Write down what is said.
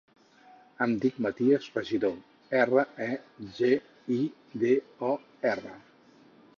Em dic Matías Regidor: erra, e, ge, i, de, o, erra.